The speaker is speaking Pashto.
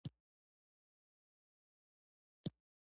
افغانستان د ولایتونو په اړه علمي څېړنې لري.